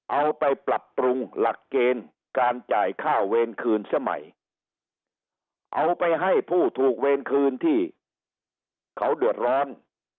เอาไปปรับปรุงหลักเกณฑ์การจ่ายค่าเวรคืนซะใหม่เอาไปให้ผู้ถูกเวรคืนที่เขาเดือดร้อน